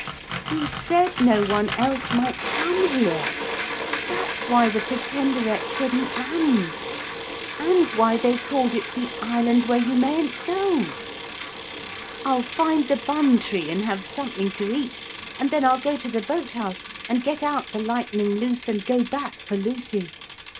'We said no one else might come here! That's why the Pretenderette couldn't land. And why they call it the Island where you mayn't go. I'll find the bun tree and have something to eat, and then I'll go to the boat house and get out the Lightning Loose and go back for Lucy.